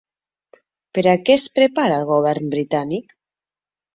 Per a què es prepara el govern britànic?